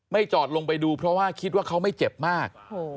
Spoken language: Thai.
จอดลงไปดูเพราะว่าคิดว่าเขาไม่เจ็บมาก